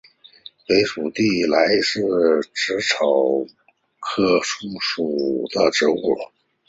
北附地菜是紫草科附地菜属的植物。